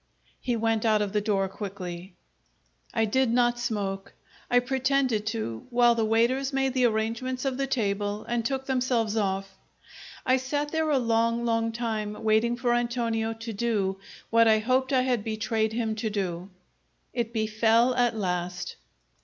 He went out of the door quickly. I dod not smoke. I pretended to, while the waiters made the arrangements of the table and took themselves off. I sat there a long, long time waiting for Antonio to do what I hoped I had betrayed him to do. It befell at last.